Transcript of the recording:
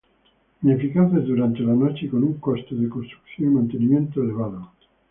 Ineficaces durante la noche y con un coste de construcción y mantenimiento elevado.